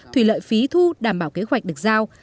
thủy lợi phí thu đảm bảo kế hoạch được giao